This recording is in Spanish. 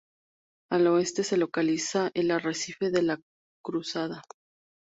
Al oeste se localiza el arrecife de la Cruzada.